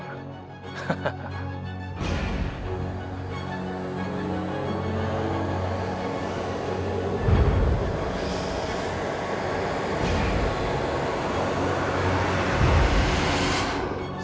kau tidak akan kehabisan tenaga